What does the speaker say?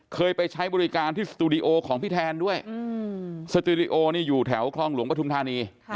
เคยไปใช้บริการที่สตูดิโอของพี่แทนด้วยสตูดิโอนี่อยู่แถวคลองหลวงปฐุมธานี